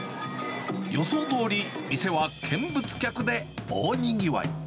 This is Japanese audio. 予想どおり、店は見物客で大にぎわい。